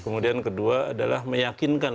kemudian kedua adalah meyakinkan